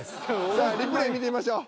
さあリプレイ見てみましょう。